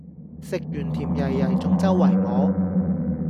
食完甜椰椰仲周圍摸